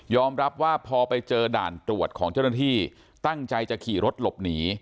รับว่าพอไปเจอด่านตรวจของเจ้าหน้าที่ตั้งใจจะขี่รถหลบหนี